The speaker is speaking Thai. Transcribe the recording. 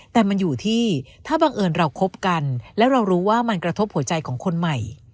แต่มันอยู่ที่ถ้าบังเอิญเราคบกันแล้วเรารู้ว่ามันกระทบหัวใจของคนใหม่